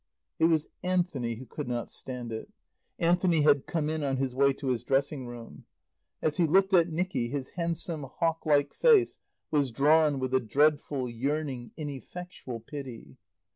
It was Anthony who could not stand it. Anthony had come in on his way to his dressing room. As he looked at Nicky his handsome, hawk like face was drawn with a dreadful, yearning, ineffectual pity.